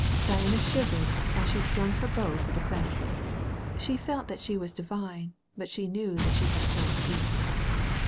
Diana shivered as she strung her bow for defense. She felt that she was divine> but she knew that she had cold feet.